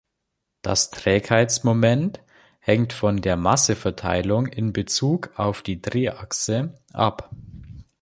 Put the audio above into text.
Das Trägheitsmoment hängt von der Massenverteilung in Bezug auf die Drehachse ab.